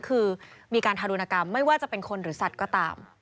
คือมีการทารุณกรรมไม่ว่าจะเป็นคนหรือสัตว์ก็ตาม